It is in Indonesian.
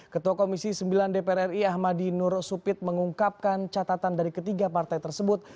ketua komisi sembilan dpr ri ahmadi nur supit mengungkapkan catatan dari ketiga partai tersebut